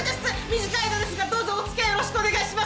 短い間ですがどうぞおつきあいよろしくお願いします！